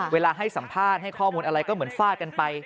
เวลาให้สัมภาษณ์ให้ข้อมูลอะไรก็เหมือนฟาดกันไป